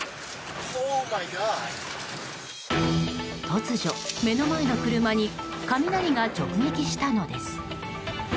突如、目の前の車に雷が直撃したのです。